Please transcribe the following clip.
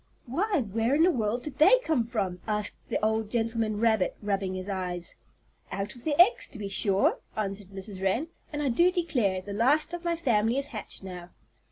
"Why, where in the world did they come from?" asked the old gentleman rabbit, rubbing his eyes. "Out of the eggs to be sure," answered Mrs. Wren. "And I do declare, the last of my family is hatched now.